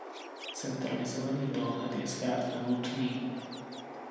Centralizovaný dohled je zkrátka nutný.